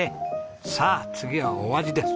さあ次はお味です。